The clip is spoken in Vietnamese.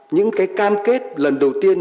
những cái cam kết lần đầu tiên